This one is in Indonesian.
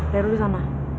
daerah lo di sana